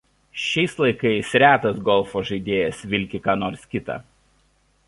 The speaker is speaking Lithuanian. Šiais laikais retas golfo žaidėjas vilki ką nors kita.